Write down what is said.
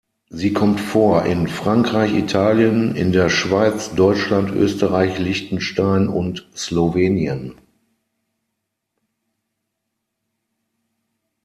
Sie kommt vor in Frankreich, Italien, in der Schweiz, Deutschland, Österreich, Liechtenstein und Slowenien.